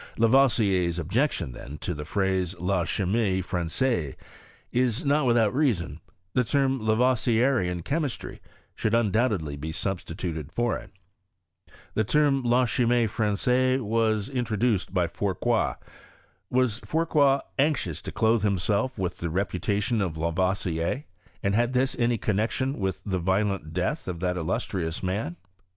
Lavoisier's objection, then, to the phrase La Ckimie Fran^aise, is not without reason, the term Lavoisierian Chemistry should undoubtedly be substituted for it. This term. La Chimie Fran^ ^ise was introduced by Fourcroy. Was Fourcroy anxious to clothe himself with the reputation of Lavoisier, and had this any connexion with the violent death of that illustrious man?